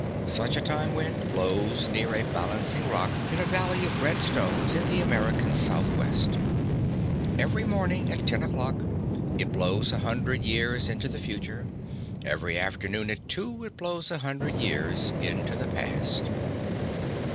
Such a time wind blows near a balancing rock in a valley of red stones in the American Southwest. Every morning at ten o'clock, it blows a hundred years into the future; every afternoon at two, it blows a hundred years into the past.